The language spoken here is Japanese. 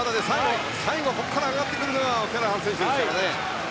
最後、ここから上がってくるのがオキャラハン選手ですからね。